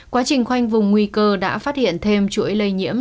quá trình khoanh vùng nguy cơ đã phát hiện thêm chuỗi lây nhiễm